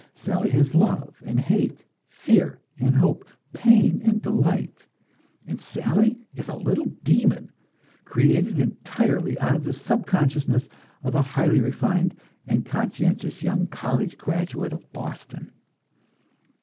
Sally has love and hate, fear and hope, pain and delight and Sally is a little demon, created entirely out of the subconsciousness of a highly refined and conscientious young college graduate of Boston.